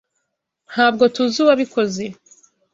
Ntabwo tuzi uwabikoze.